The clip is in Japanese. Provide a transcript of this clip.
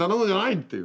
っていうね。